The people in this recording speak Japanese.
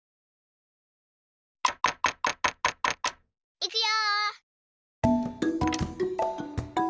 いくよ！